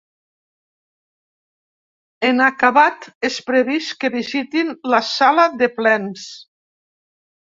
En acabat, és previst que visitin la sala de plens.